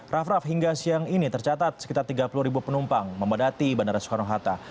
rafraf hingga siang ini tercatat sekitar tiga puluh ribu penumpang membedati bandara soekarno hatta